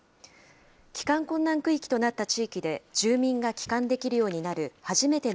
帰還困難区域となった地域で住民が帰還できるようになるはじめて